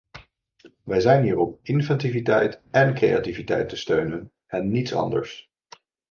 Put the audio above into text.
Wij zijn hier om inventiviteit en creativiteit te steunen en niets anders.